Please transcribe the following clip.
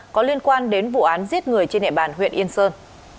có liên quan đến vụ án giết người trên địa bàn huyện yên sơn